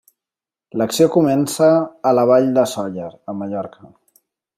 L'acció comença a la Vall de Sóller, a Mallorca.